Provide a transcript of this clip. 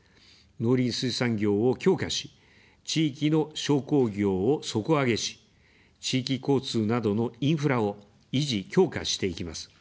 農林水産業を強化し、地域の商工業を底上げし、地域交通などのインフラを維持・強化していきます。